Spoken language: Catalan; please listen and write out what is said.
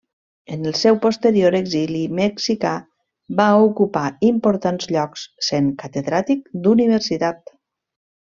En el seu posterior exili mexicà va ocupar importants llocs, sent Catedràtic d'universitat.